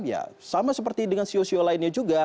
ya sama seperti dengan siu siu lainnya juga